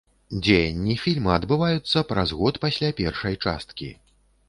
Дзеянні фільма адбываюцца праз год пасля першай часткі.